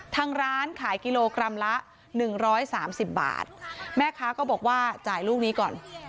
ทางร้านขายกิโลกรัมละ๑๓๐บาทแม่ค้าก็บอกว่าจ่ายลูกนี้ก่อน